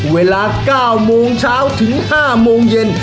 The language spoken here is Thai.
เวลา๙โมงเช้าถึง๕โมงเย็น